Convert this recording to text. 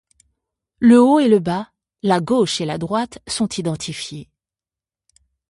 Le haut et le bas, la gauche et la droite sont identifiés.